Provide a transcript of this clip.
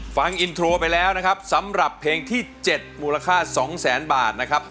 ฟังอินโทรไปแล้วนะครับสำหรับเพลงที่๗มูลค่า๒แสนบาทนะครับ